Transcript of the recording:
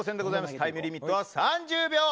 タイムリミットは３０秒。